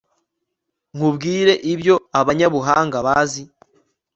nkubwire ibyo abanyabuhanga bazi